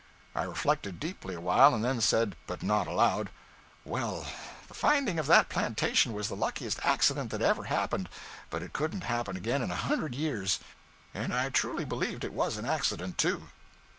I reflected deeply awhile, and then said but not aloud 'Well, the finding of that plantation was the luckiest accident that ever happened; but it couldn't happen again in a hundred years.' And I fully believed it was an accident, too.